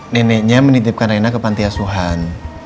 neneknya menitipkan renanya ke pantai asuhan